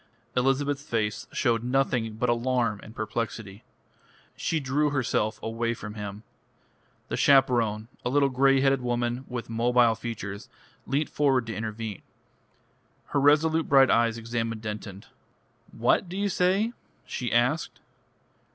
Elizabeth's face showed nothing but alarm and perplexity. She drew herself away from him. The chaperone, a little grey headed woman with mobile features, leant forward to intervene. Her resolute bright eyes examined Denton. "What do you say?" she asked.